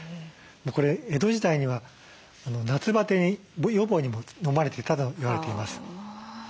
これ江戸時代には夏バテ予防にも飲まれてたと言われています。